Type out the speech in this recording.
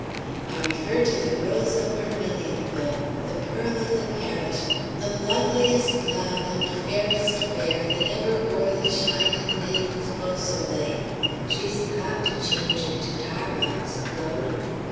I refer to the Rose of Vermilionville, the Pearl of the Parish, the loveliest love and fairest fair that ever wore the shining name of Beausoleil. She's got to change it to Tarbox, Claude.